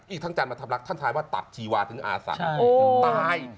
อีกทางจันทร์มาทำลักษณ์ท่านทายว่าตับชีวธุ์อาสังค์ใช่